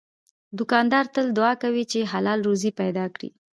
دوکاندار تل دعا کوي چې حلال روزي پیدا کړي.